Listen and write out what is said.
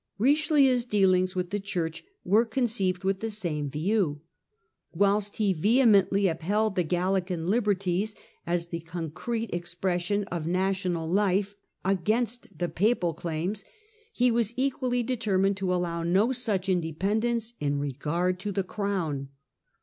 * Richelieu's dealings with the Church were conceived with the same view. Whilst he vehemently upheld the Gallican liberties, as the concrete expression ergy. ^ na ti 0 nal life, against the papal claims, he was equally determined to allow no such independence in regard to the Crown.